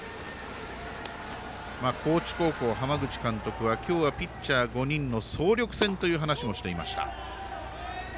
高知高校、浜口監督は今日はピッチャー５人の総力戦という話もしていました。